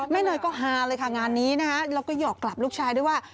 แม่หน่อยคือกำลังหาไปกลับนี้แล้วก็หยอกกลับลูกชายด้วยว่า